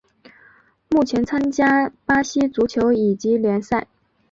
目前参加巴西足球乙级联赛。